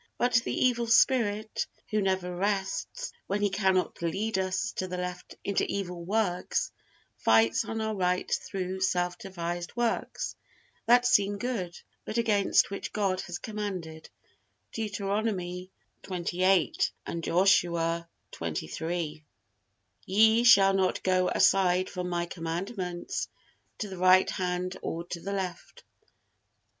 But the evil spirit, who never rests, when he cannot lead us to the left into evil works, fights on our right through self devised works that seem good, but against which God has commanded, Deuteronomy xxviii, and Joshua xxiii, "Ye shall not go aside from My commandments to the right hand or to the left."